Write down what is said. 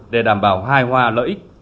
để đảm bảo hài hòa lợi ích